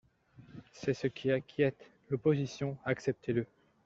C’est ce qui inquiète l’opposition : acceptez-le.